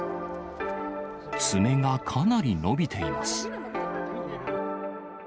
爪がかなり伸びています。